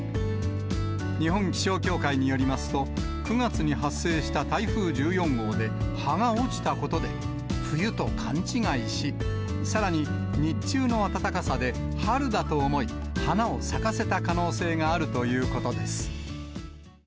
日本気象協会によりますと、９月に発生した台風１４号で、葉が落ちたことで、冬と勘違いし、さらに日中の暖かさで春だと思い、花を咲かせた可能性があるということです。